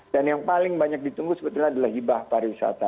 dan yang paling banyak ditunggu sebetulnya adalah hibah pariwisata